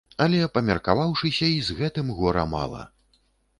Але, памеркаваўшыся, й з гэтым гора мала.